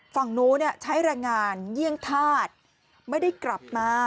ฝั่งนู้นใช้แรงงานเยี่ยงธาตุไม่ได้กลับมา